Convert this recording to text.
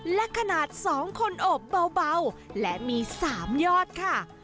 และขนาด๒คนโอบเบาและมี๓ยอดค่ะ